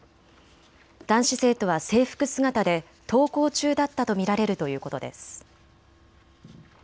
男子生徒は制服姿で登校中だったと見られるということです。